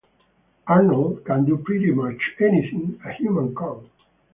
Arnold can do pretty much anything a human can.